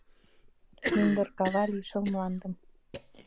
Мӱндыр кава лишыл мландым